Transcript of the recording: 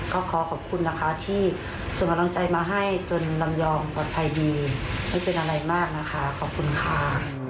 ก็ขอขอบคุณนะคะที่ส่งกำลังใจมาให้จนลำยองปลอดภัยดีไม่เป็นอะไรมากนะคะขอบคุณค่ะ